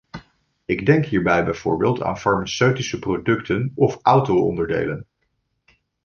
Ik denk hierbij bijvoorbeeld aan farmaceutische producten of auto-onderdelen.